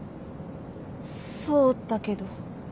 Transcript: そうだけど。